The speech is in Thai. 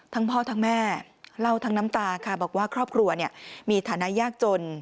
พ่อทั้งแม่เล่าทั้งน้ำตาค่ะบอกว่าครอบครัวมีฐานะยากจน